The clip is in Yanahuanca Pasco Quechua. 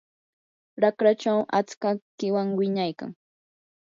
raqrachaw achka qiwan wiñaykan.